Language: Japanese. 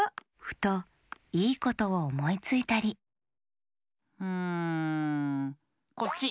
ふといいことをおもいついたりんこっち！